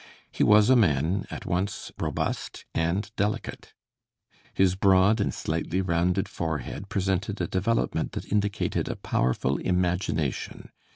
He was a man at once robust and delicate. His broad and slightly rounded forehead presented a development that indicated a powerful imagination.